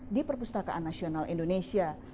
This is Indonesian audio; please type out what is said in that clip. di perpustakaan nasional indonesia